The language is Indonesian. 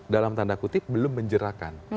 dalam tanda kutip belum menjerakan